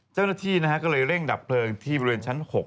เจ้าหน้าที่ก็เลยเร่งดับเพลิงที่บริเวณชั้น๖